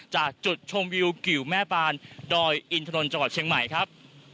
จากจุดชมวิวกิวแม่ปานดอยอินถนนจังหวัดเชียงใหม่ครับ